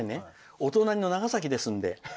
お隣の長崎ですので。